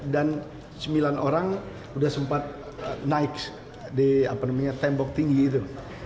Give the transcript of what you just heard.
sembilan orang sudah sempat naik di tembok tinggi itu